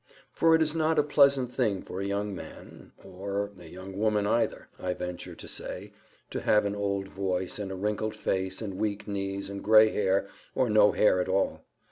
For it is not a pleasant thing for a young man, or a young woman either, I venture to say, to have an old voice, and a wrinkled face, and weak knees, and gray hair, or no hair at all.